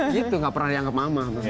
gitu nggak pernah dianggap mama